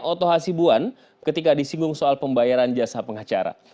oto hasibuan ketika disinggung soal pembayaran jasa pengacara